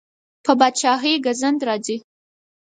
په پادشاهۍ ګزند راځي.